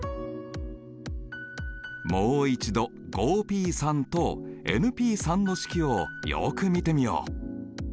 もう一度ＰとＰの式をよく見てみよう。